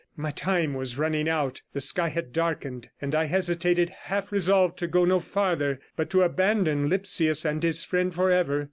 My time was running out, the sky had darkened, and I hesitated, half resolved to go no farther, but to abandon Lipsius and his friends for ever.